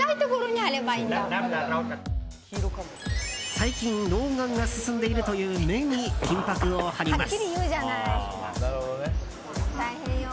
最近、老眼が進んでいるという目に金箔を貼ります。